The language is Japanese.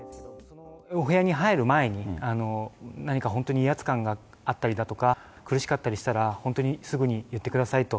お部屋に入る前に、何か本当に威圧感があったりだとか、苦しかったりしたら、本当に、すぐに言ってくださいと。